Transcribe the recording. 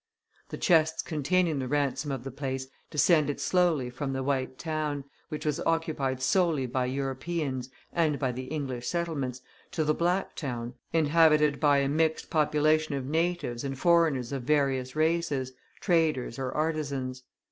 The chests containing the ransom of the place descended slowly from the white town, which was occupied solely by Europeans and by the English settlements, to the black town, inhabited by a mixed population of natives and foreigners of various races, traders or artisans.